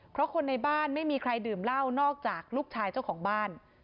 เพราะคนในบ้านไม่มีใครดื่มเหล้านอกจากลูกชายเจ้าของบ้าน